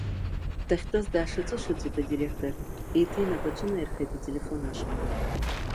Дахьтәаз даашаҵәышаҵәит адиреқтор, еиҭа инапы аҿынаирхеит ателефон ашҟа.